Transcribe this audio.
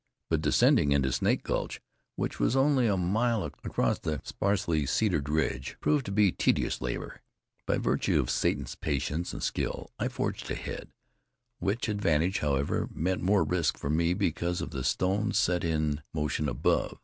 But descending into Snake Gulch, which was only a mile across the sparsely cedared ridge, proved to be tedious labor. By virtue of Satan's patience and skill, I forged ahead; which advantage, however, meant more risk for me because of the stones set in motion above.